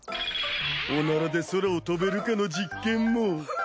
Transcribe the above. オナラで空を飛べるかの実験も。